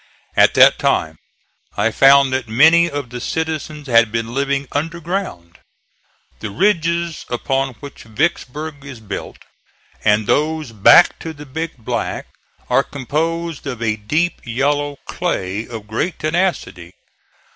At that time I found that many of the citizens had been living under ground. The ridges upon which Vicksburg is built, and those back to the Big Black, are composed of a deep yellow clay of great tenacity.